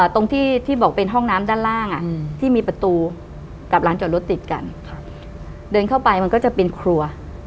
ตรงที่บอกเป็นห้องน้ำด้านล่างที่มีประตูกับร้านจอดรถติดกันเดินเข้าไปมันก็จะเป็นครัว